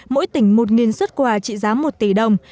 mỗi tỉnh một xuất quà trị giá một tỷ đồng